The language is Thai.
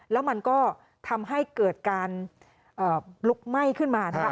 แล้วมันก็ทำให้เกิดการลุกไหม้ขึ้นมานะคะ